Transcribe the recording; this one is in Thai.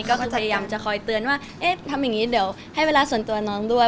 ก็พยายามจะคอยเตือนว่าเอ๊ะทำอย่างนี้เดี๋ยวให้เวลาส่วนตัวน้องด้วย